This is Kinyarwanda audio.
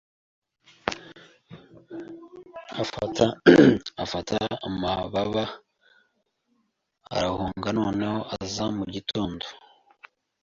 Afata amababa arahungaNoneho aza mugitondo